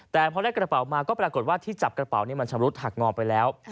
แต่พอได้กระเป๋ามาก็ปรากฏว่าที่จับกระเป๋านี่มันชำรุดหักงอไปแล้ว